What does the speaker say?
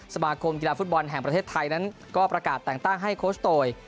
สมาคมกีฬาฟุตบอลแห่งประเทศไทยนั้นก็ประกาศแต่งตั้งให้โคชโตย